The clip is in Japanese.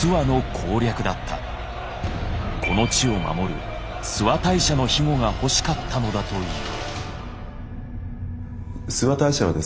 この地を守る諏訪大社の庇護が欲しかったのだという。